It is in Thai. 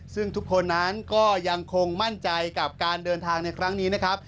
ซึ่งทุกคนนั้นก็ยังคงมั่นใจกับการเดินทางในครั้งนี้นะครับ